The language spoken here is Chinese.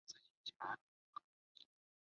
万安人。